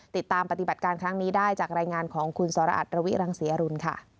ติดตามปฏิบัติการครั้งนี้ได้จากรายงานของคุณสรอัตรวิรังศรีอรุณค่ะ